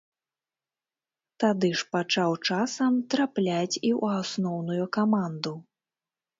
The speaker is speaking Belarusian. Тады ж пачаў часам трапляць і ў асноўную каманду.